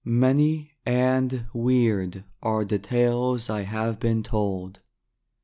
Many and weird are the tales I have been told.